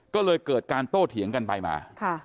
ก็เลยเกิดการโต้เถียงกันไปมา